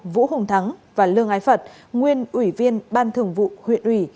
vũ hùng thắng và lương ái phật nguyên ủy viên ban thường vụ huyện ủy